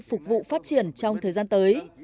phục vụ phát triển trong thời gian tới